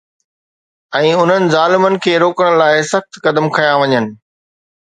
۽ انهن ظالمن کي روڪڻ لاءِ سخت قدم کنيا وڃن